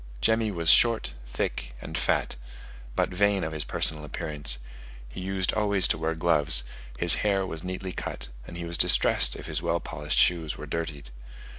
Jemmy was short, thick, and fat, but vain of his personal appearance; he used always to wear gloves, his hair was neatly cut, and he was distressed if his well polished shoes were dirtied.